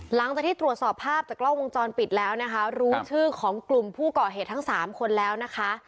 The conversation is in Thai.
หลังจากที่ตรวจสอบภาพจากกล้องวงจรปิดแล้วนะคะรู้ชื่อของกลุ่มผู้ก่อเหตุทั้งสามคนแล้วนะคะ